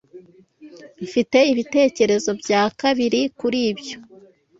Mfite ibitekerezo bya kabiri kuri ibyo.